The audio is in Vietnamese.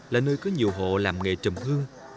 là nơi có nhiều hộ làm nghề trầm hương